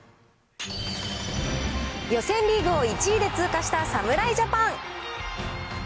予選リーグを１位で通過した侍ジャパン。